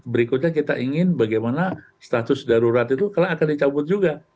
berikutnya kita ingin bagaimana status darurat itu akan dicabut juga